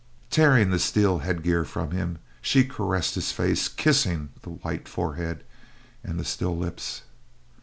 Tearing the steel headgear from him, she caressed his face, kissing the white forehead and the still lips.